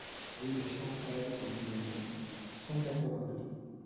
Rue des Chanterelles au numéro cent quatre-vingt-deux